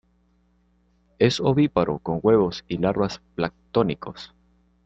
Es ovíparo, con huevos y larvas planctónicos.